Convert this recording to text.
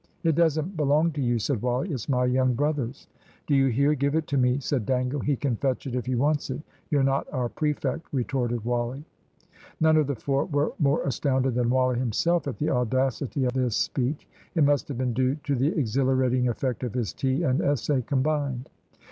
"It doesn't belong to you," said Wally; "it's my young brother's." "Do you hear? give it to me," said Dangle. "He can fetch it if he wants it. You're not our prefect," retorted Wally. None of the four were more astounded than Wally himself at the audacity of this speech. It must have been due to the exhilarating effect of his tea and essay combined.